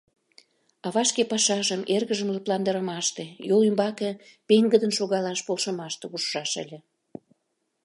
Ава шке пашажым эргыжым лыпландарымаште, йол ӱмбаке пеҥгыдын шогалаш полшымаште ужшаш ыле.